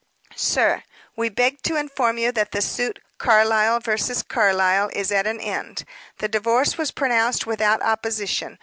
"Sir We beg to inform you that the suit Carlyle vs. Carlyle, is at an end. The divorce was pronounced without opposition.